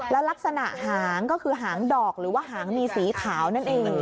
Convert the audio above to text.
แล้วลักษณะหางก็คือหางดอกหรือว่าหางมีสีขาวนั่นเอง